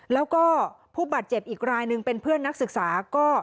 แล้วก็ผู้บาดเจ็บอีกรายหนึ่งเป็นเพื่อนนักศึกษาก็